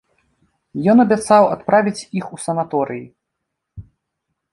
Ён абяцаў адправіць іх у санаторыі.